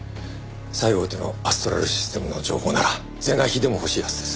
最大手のアストラルシステムの情報なら是が非でも欲しいはずです。